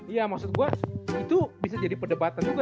iya maksud gue itu bisa jadi perdebatan juga